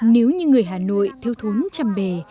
nếu như người hà nội thiêu thốn chăm bề